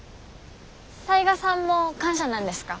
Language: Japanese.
雑賀さんも官舎なんですか？